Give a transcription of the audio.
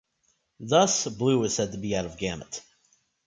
Thus, blue is said to be out of gamut.